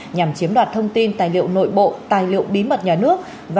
nhằm chiếm đoạt thông tin tài liệu nội bộ tài liệu bí mật nhà nước